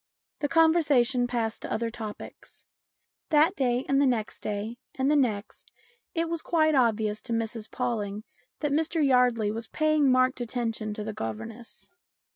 The conversation passed to other topics. That day, and the next day, and the next, it was quite obvious to Mrs Pawling that Mr Yardley was paying marked attention to the governess.